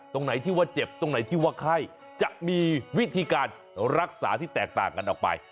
ตรงไหนที่ว่าเจ็บตรงไหนที่ว่าไข้จะมีวิธีการรักษาที่แตกต่างกันออกไป